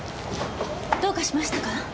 どうかしましたか？